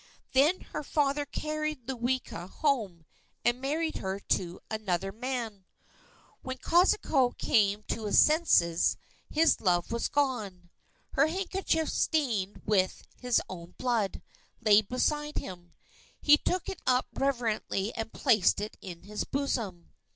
Then her father carried Ludwika home, and married her to another man. When Kosciuszko came to his senses, his Love was gone. Her handkerchief stained with his own blood, lay beside him. He took it up reverently and placed it in his bosom.